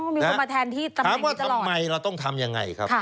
มีคนมาแทนที่ทำแบบนี้ตลอดถามว่าทำไมเราต้องทำอย่างไรครับ